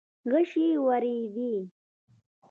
غشې وورېدې.